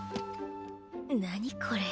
何これ。